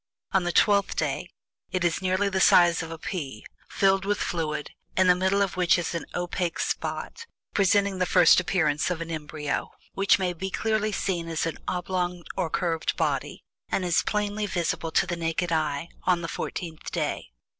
On the TWELFTH DAY it is nearly the size of a pea, filled with fluid, in the middle of which is an opaque spot, presenting the first appearance of an embryo, which may be clearly seen as an oblong or curved body, and is plainly visible to the naked eye on the fourteenth day.